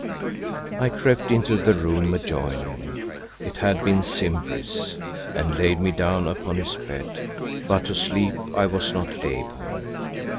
I crept into the room adjoining it had been Simbri's and laid me down upon his bed, but to sleep I was not able.